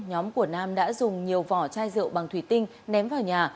nhóm của nam đã dùng nhiều vỏ chai rượu bằng thủy tinh ném vào nhà